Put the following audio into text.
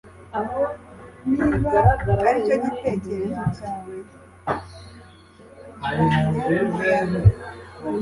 Niba aricyo gitekerezo cyawe kurwanya umuyaga